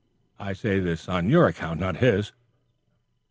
I say this on your account, not his.